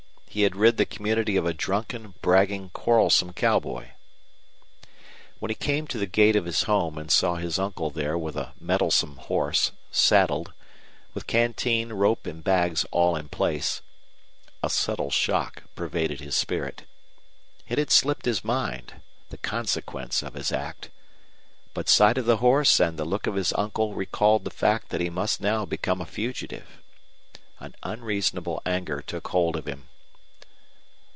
He had rid the community of a drunken, bragging, quarrelsome cowboy. When he came to the gate of his home and saw his uncle there with a mettlesome horse, saddled, with canteen, rope, and bags all in place, a subtle shock pervaded his spirit. It had slipped his mind the consequence of his act. But sight of the horse and the look of his uncle recalled the fact that he must now become a fugitive. An unreasonable anger took hold of him.